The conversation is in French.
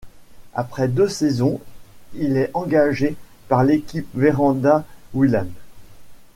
Après deux saisons, il est engagé par l'équipe Verandas Willems.